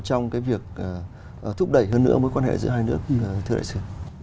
trong cái việc thúc đẩy hơn nữa mối quan hệ giữa hai nước thưa đại sứ